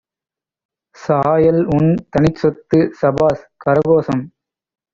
சாயல்உன் தனிச்சொத்து! ஸபாஷ்! கரகோஷம்!